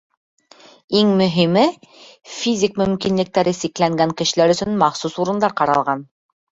Иң мөһиме — физик мөмкинлектәре сикләнгән кешеләр өсөн махсус урындар ҡаралған.